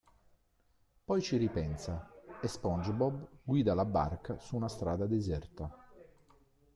Poi ci ripensa e SpongeBob guida la barca su una strada deserta.